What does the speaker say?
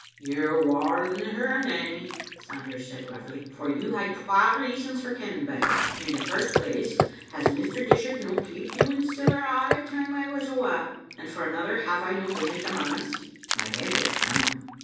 "You're waur than her, Nanny," Sanders said roughly, " for you hae twa reasons for kenning better. In the first place, has Mr. Dishart no keeped you in siller a' the time I was awa? and for another, have I no been at the manse?" My head rose now.